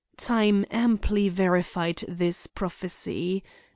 Time amply verified this prophecy.